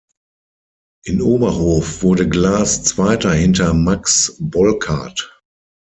In Oberhof wurde Glaß Zweiter hinter Max Bolkart.